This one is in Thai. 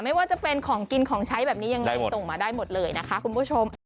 ไม่ว่าจะเป็นของกินของใช้แบบนี้ยังไงส่งมาได้หมดเลยนะคะคุณผู้ชม